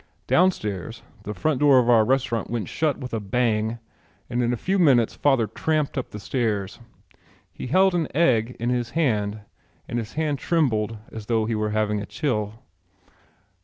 Downstairs the front door of our restaurant went shut with a bang and in a few minutes father tramped up the stairs. He held an egg in his hand and his hand trembled as though he were having a chill.